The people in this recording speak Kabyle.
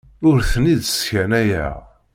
Ur ten-id-sskanayeɣ.